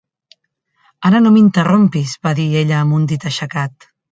"Ara no m'interrompis!" va dir ella amb un dit aixecat.